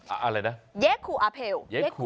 อะไรนะเย้คูอาเพล